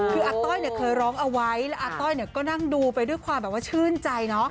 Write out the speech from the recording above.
คืออาต้อยเคยร้องเอาไว้และอาต้อยก็นั่งดูไปด้วยความชื่นใจ